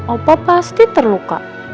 opah pasti terluka